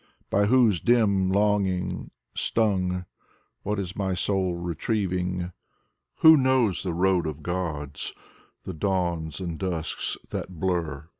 By whose dim longing stung, what is my soul retrieving? Who knows the road of gods? The dawns and dusks that blur?